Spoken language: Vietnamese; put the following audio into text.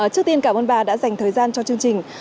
trước tiên cảm ơn bà đã dành thời gian cho chương trình